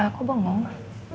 tidak ada apa apa papa